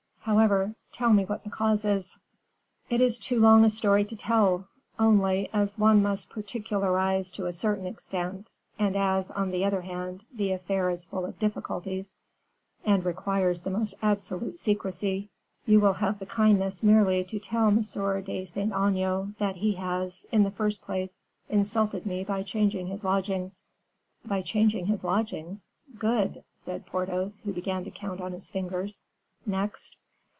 "However, tell me what the cause is." "It is too long a story to tell; only, as one must particularize to a certain extent, and as, on the other hand, the affair is full of difficulties, and requires the most absolute secrecy, you will have the kindness merely to tell M. de Saint Aignan that he has, in the first place, insulted me by changing his lodgings." "By changing his lodgings? Good," said Porthos, who began to count on his fingers; "next?"